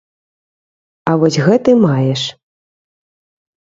А вось гэты маеш.